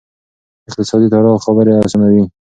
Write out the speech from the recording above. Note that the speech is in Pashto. اقتصادي تړاو خبرې آسانوي.